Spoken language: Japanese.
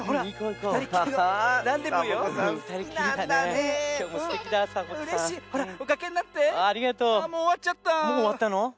もうおわったの？